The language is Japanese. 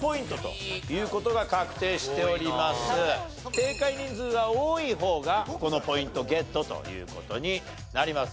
正解人数が多い方がこのポイントゲットという事になります。